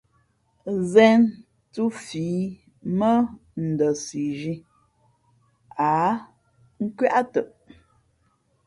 Zén thūfǐ mά Ndαsizhī, ǎ nkwē ǎ tαʼ.